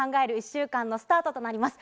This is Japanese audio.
１週間のスタートとなります。